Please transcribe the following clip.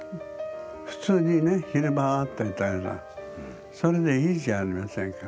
普通にね昼間会っていたらそれでいいじゃありませんか。